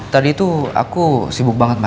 tadi tuh aku sibuk banget ma